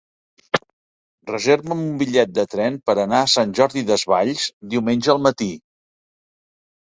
Reserva'm un bitllet de tren per anar a Sant Jordi Desvalls diumenge al matí.